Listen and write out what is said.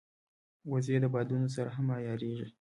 وزې د بادونو سره هم عیارېږي